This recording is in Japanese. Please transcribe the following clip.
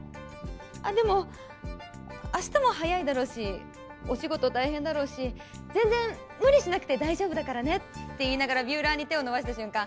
「あっでも明日も早いだろうしお仕事大変だろうし全然無理しなくて大丈夫だからね」って言いながらビューラーに手を伸ばした瞬間